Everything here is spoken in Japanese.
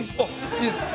いいですか？